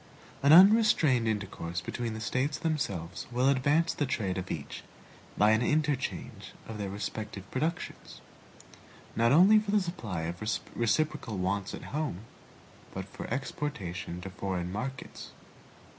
An unrestrained intercourse between the States themselves will advance the trade of each by an interchange of their respective productions, not only for the supply of reciprocal wants at home, but for exportation to foreign markets.